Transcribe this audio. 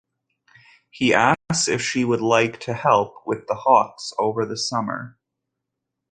He asks if she would like to help with the hawks over the summer.